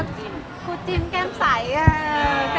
ก็บำรุงหนักขึ้น